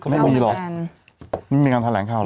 ไม่มีหรอกไม่มีมันมีการทะแหลงข่าวเหรอ